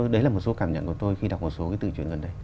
đấy là một số cảm nhận của tôi khi đọc một số cái từ chuyện gần đây